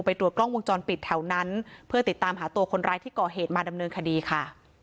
ตรวจกล้องวงจรปิดแถวนั้นเพื่อติดตามหาตัวคนร้ายที่ก่อเหตุมาดำเนินคดีค่ะ